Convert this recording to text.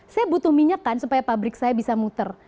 saya butuh minyak kan supaya pabrik saya bisa muter